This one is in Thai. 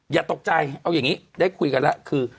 อย่าตกใจเอาอย่างนี้ได้คุยกันแล้วคือ